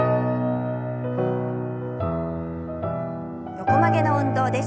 横曲げの運動です。